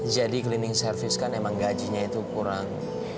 jadi cleaning service kan emang gajinya itu kurang